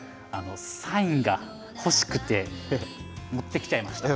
サインが欲しくて持ってきちゃいました。